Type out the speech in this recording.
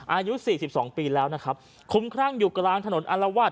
อายุ๔๒ปีแล้วนะครับคุ้มคร่างอยู่กลางถนนอลาวาส